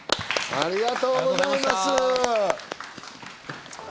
ありがとうございます。